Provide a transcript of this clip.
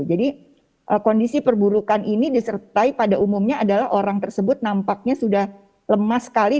jadi kondisi perburukan ini disertai pada umumnya adalah orang tersebut nampaknya sudah lemah sekali